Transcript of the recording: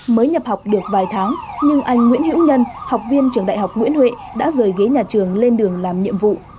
mới nhập học được vài tháng nhưng anh nguyễn hiễu nhân học viên trường đại học nguyễn huệ đã rời ghế nhà trường lên đường làm nhiệm vụ